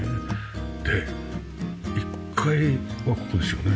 で１階はここですよね？